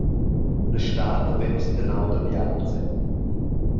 La stad havein nus trenau dabia ensemen.